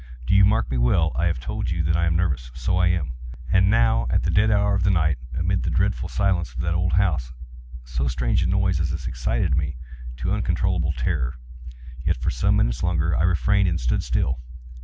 —do you mark me well? I have told you that I am nervous: so I am. And now at the dead hour of the night, amid the dreadful silence of that old house, so strange a noise as this excited me to uncontrollable terror. Yet, for some minutes longer I refrained and stood still.